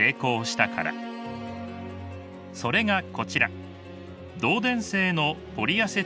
それがこちら。